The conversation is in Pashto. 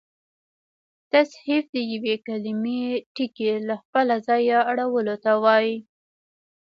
تصحیف د یوې کليمې ټکي له خپله ځایه اړولو ته وا يي.